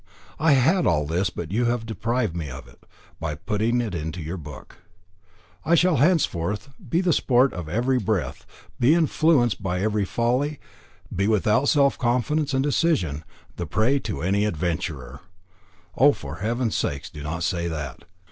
I had all this, but you have deprived me of it, by putting it into your book. I shall henceforth be the sport of every breath, be influenced by every folly, be without self confidence and decision, the prey to any adventurer." "For Heaven's sake, do not say that."